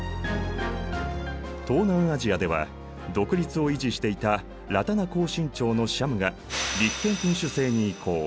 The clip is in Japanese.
東南アジアでは独立を維持していたラタナコーシン朝のシャムが立憲君主制に移行。